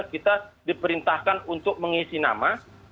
kita diperintahkan untuk mengisi nama